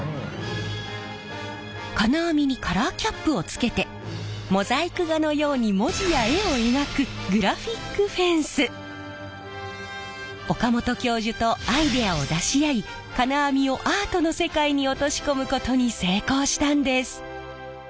金網にカラーキャップをつけてモザイク画のように文字や絵を描く岡本教授とアイデアを出し合い金網をアートの世界に落とし込むことに成功したんです！